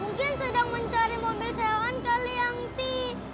mungkin sedang mencari mobil sewa kali angti